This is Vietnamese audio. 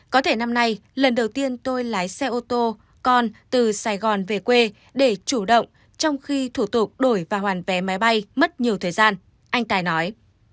có thể năm nay lần đầu tiên tôi lái xe ô tô con từ sài gòn về quê để chủ động trong khi thủ tục đổi và hoàn vé máy bay mất nhiều thời gian anh tài nói